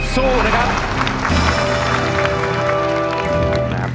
สู้นะครับ